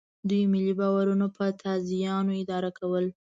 دوی ملي باورونه په تازیانو اداره کول.